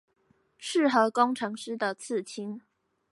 適合工程師的刺青